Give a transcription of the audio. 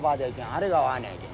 あれが合わないけん。